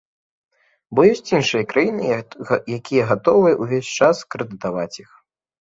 Бо ёсць іншыя краіны, якія гатовыя ўвесь час крэдытаваць іх.